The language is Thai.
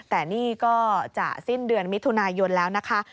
แต่นี่ก็จะสิ้นเดือนมิถุนายนแล้วนะคะ